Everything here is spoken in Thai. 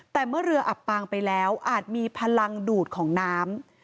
แต่เมื่อเรืออับปางไปแล้วอาจมีพลังดูดของน้ำ